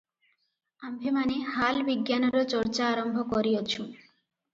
ଆମ୍ଭେମାନେ ହାଲ ବିଜ୍ଞାନର ଚର୍ଚ୍ଚା ଆରମ୍ଭ କରିଅଛୁଁ ।